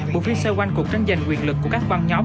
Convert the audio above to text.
một phiên xoay quanh cuộc trắng giành quyền lực của các văn nhóm